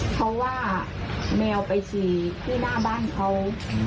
เพราะว่าแมวไปฉี่ที่หน้าบ้านเขา